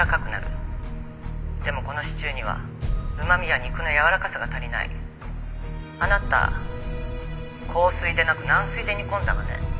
「でもこのシチューにはうま味や肉のやわらかさが足りない」「あなた硬水でなく軟水で煮込んだわね」